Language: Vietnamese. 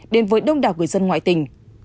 đến với đông đảo người dân ngoại tỉnh